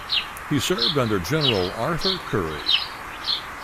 He served under General Arthur Currie.